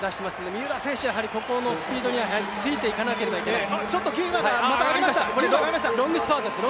三浦選手はここのスピードについていかないといけない。